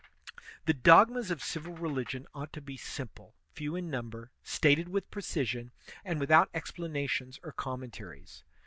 The dogmas of civil religion ought to be simple, few in number, stated with precision, and without explana tions or commentaries.